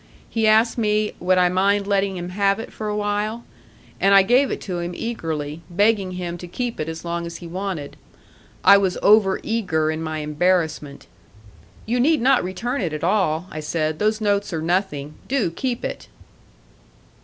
He asked me, Would I mind letting him have it for a while? And I gave it to him eagerly, begging him to keep it as long as he wanted. I was overeager in my embarrassment. "You need not return it at all," I said; "those notes are nothing. Do keep it."